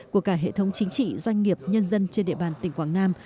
của cả hệ thống chính trị doanh nghiệp nhân dân trên địa bàn tỉnh quảng nam